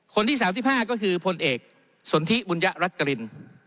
คนที่๓๕ก็คือพลเอกสนทิบุญยรัฐกริน